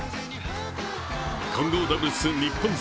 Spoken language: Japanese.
混合ダブルス日本勢